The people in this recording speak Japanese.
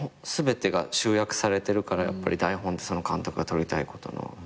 全てが集約されてるからやっぱり台本ってその監督が撮りたいことの。